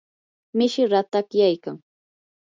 mishii ratakyaykan.